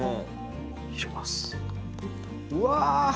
うわ！